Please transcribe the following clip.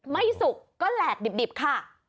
สุกก็แหลกดิบค่ะ